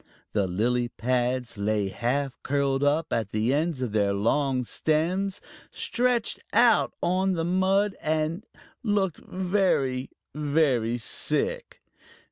The lily pads lay half curled up at the ends of their long stems, stretched out on the mud, and looked very, very sick.